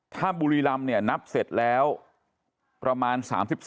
ถ้าบุรีรำเนี่ยนับเสร็จแล้วประมาณ๓๒